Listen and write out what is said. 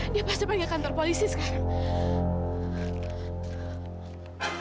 dia pasti pergi kantor polisi sekarang